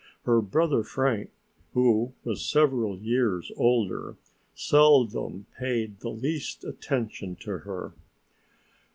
Her brother Frank, who was several years older, seldom paid the least attention to her.